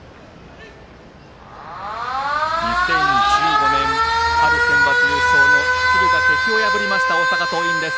２０１５年、春センバツ優勝の敦賀気比を破りました大阪桐蔭です。